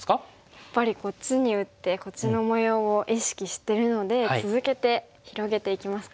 やっぱりこっちに打ってこっちの模様を意識してるので続けて広げていきますか。